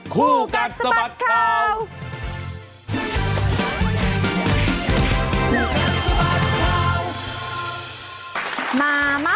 คู่กัดสะบัดข่าว